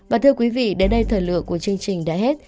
và thưa quý vị đến đây thời lượng của chương trình đã hết